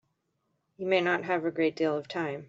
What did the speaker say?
You may not have a great deal of time.